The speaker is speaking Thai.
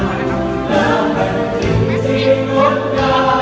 และแผ่นที่ที่กดการ